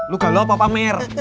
lu galau apa pak mir